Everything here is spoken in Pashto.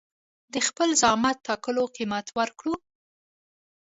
د خپل زعامت ټاکلو قيمت ورکړو.